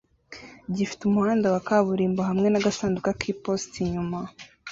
gifite umuhanda wa kaburimbo hamwe nagasanduku k'iposita inyuma